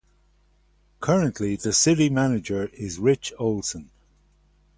Currently, the city manager is Rich Olsen.